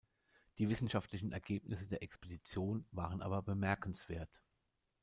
Die wissenschaftlichen Ergebnisse der Expedition waren aber bemerkenswert.